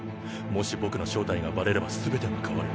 もし僕の正体がバレれば全てが変わる。